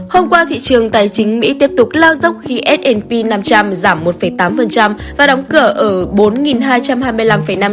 hôm qua thị trường tài chính mỹ tiếp tục lao dốc khi s p năm trăm linh giảm một tám